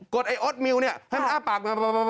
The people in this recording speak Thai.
กดไอ้อ๊อตมิวนี่ให้มันอ้าปาก